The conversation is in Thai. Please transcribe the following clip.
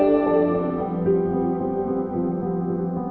ก็เพราะฉะนั้นการจะเป็นแนวร่วมให้สุข